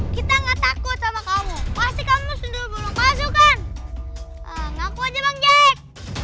kita enggak takut sama kamu pasti kamu sendiri masukkan ngaku aja bang jek